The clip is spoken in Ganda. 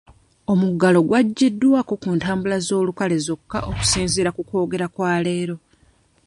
Omuggalo gwagiddwawo ku ntambula z'olukale zokka okusinziira ku kwogera kwa leero.